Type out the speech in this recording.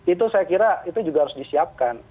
itu saya kira itu juga harus disiapkan